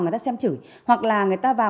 người ta xem chửi hoặc là người ta vào